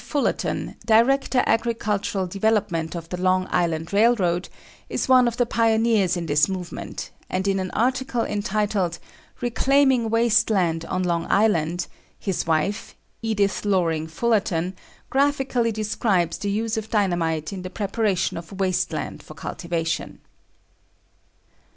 Fullerton, Director Agricultural Development of the Long Island Railroad, is one of the pioneers in this movement, and in an article entitled "Reclaiming Waste Land on Long Island," his wife, Edith Loring Fullerton, graphically describes the use of dynamite in the preparation of waste land for cultivation.